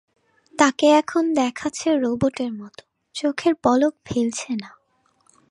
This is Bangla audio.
তাকে এখন দেখাচ্ছে রোবটের মতো, চোখের পলক ফেলছে না।